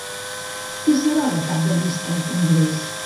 Qui serà la cap de llista al Congrés?